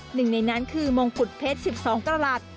หนึ่งในนั้นคือมงกุฎเพชร๑๒กระหลัด